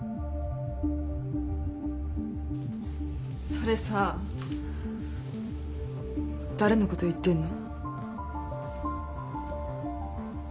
それさ誰のこと言ってんの？